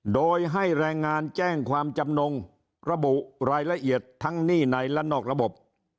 โดยให้แรงงานแจ้งความจำนงระบุรายละเอียดทั้งหนี้ในและนอกระบบ